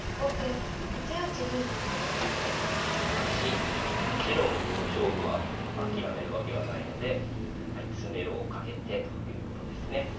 ただしもちろん勝負は諦めるわけはないので詰めろをかけてということですね。